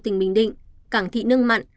tỉnh bình định cảng thị nước mặn